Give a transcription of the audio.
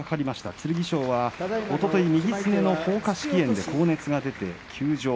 剣翔はおととい右すねのほうか織炎で高熱が出て休場。